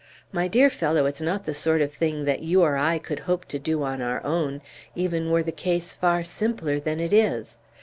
My dear fellow, it's not the sort of thing that you or I could hope to do on our own, even were the case far simpler than it is.